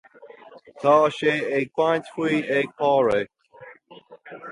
Tá sé ag baint faoi ag Pádraig.